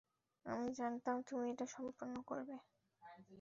আমি জানতাম তুমি এটা সম্পন্ন করবে।